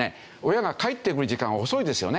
親が帰ってくる時間が遅いですよね。